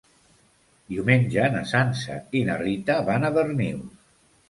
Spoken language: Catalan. Diumenge na Sança i na Rita van a Darnius.